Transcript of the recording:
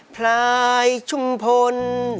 พลายชุมพล